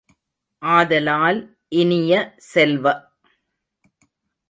ஆதலால், இனிய செல்வ!